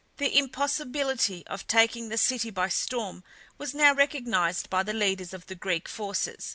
The impossibility of taking the city by storm was now recognized by the leaders of the Greek forces.